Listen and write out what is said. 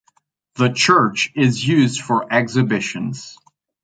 The church is used for exhibitions.